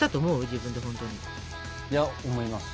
自分で本当に。いや思います。